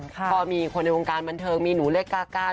ก็มีคนในวงการบันเทิงมีหนูเล็กกาก้า